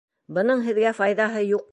Бының һеҙгә файҙаһы юҡ.